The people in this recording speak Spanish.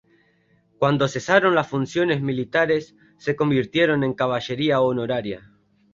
Cuando cesaron las funciones militares se convirtieron en caballería honoraria.